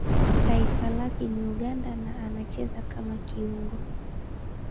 Taifa lake ni Uganda na anacheza kama kiungo.